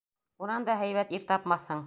Унан да һәйбәт ир тапмаҫһың.